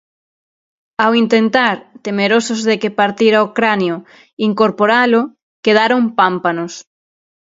Ao intentar, temerosos de que partira o cranio, incorporalo, quedaron pámpanos: